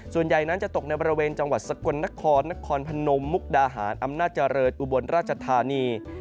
ส่วนใหญ่นั้นจะตกในบริเวณจังหวัดสกลนครนครพนมมุกดาหารอำนาจเจริญอุบลราชธานี